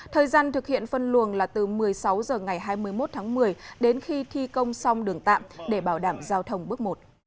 thời gian thực hiện phân luồng là từ một mươi sáu h ngày hai mươi một tháng một mươi đến khi thi công xong đường tạm để bảo đảm giao thông bước một